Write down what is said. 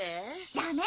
ダメ！